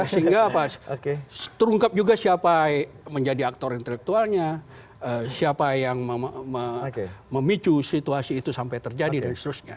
sehingga apa terungkap juga siapa menjadi aktor intelektualnya siapa yang memicu situasi itu sampai terjadi dan seterusnya